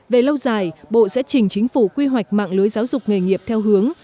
về lâu dài bộ sẽ chỉnh chính phủ quy hoạch mạng lưới giáo dục nghề nghiệp theo hướng